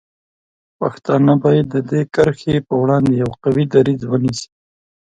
پښتانه باید د دې کرښې په وړاندې یو قوي دریځ ونیسي.